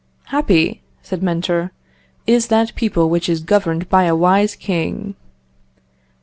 'Happy,' said Mentor, 'is that people which is governed by a wise king.'....